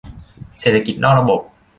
เศรษฐกิจนอกระบบ